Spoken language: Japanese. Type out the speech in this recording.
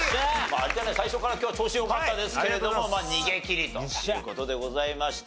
有田ナイン最初から今日は調子良かったですけれども逃げ切りという事でございました。